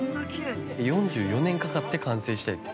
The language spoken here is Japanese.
◆４４年かかって完成してんて。